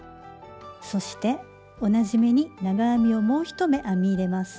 そして同じ目に長編みをもう１目編み入れます。